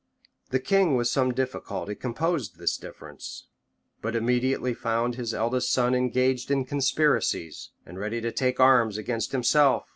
] The king with some difficulty composed this difference; but immediately found his eldest son engaged in conspiracies, and ready to take arms against himself.